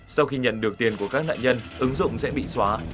sau khi nhận được tiền của các nạn nhân ứng dụng sẽ bị xóa